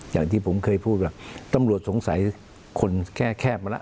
อย่างที่ผมเคยพูดว่าตำรวจสงสัยคนแคบมาแล้ว